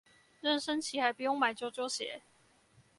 妊娠期還不用買啾啾鞋